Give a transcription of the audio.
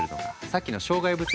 さっきの障害物